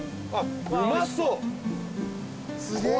うまそう。